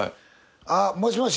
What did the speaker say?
あっもしもし？